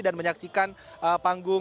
dan menyaksikan panggung